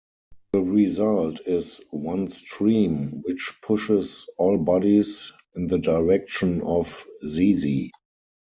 The result is "one stream", which pushes all bodies in the direction of "zz".